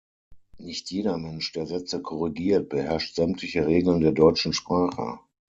Nicht jeder Mensch, der Sätze korrigiert, beherrscht sämtliche Regeln der deutschen Sprache.